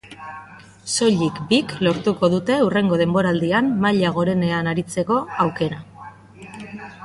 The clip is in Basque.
Soilik bik lortuko dute hurrengo denboraldian maila gorenean aritzeko aukera.